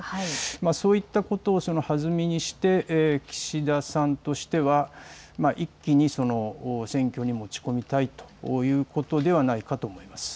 そういったことをはずみにして岸田さんとしては一気に選挙に持ち込みたいということではないかと思います。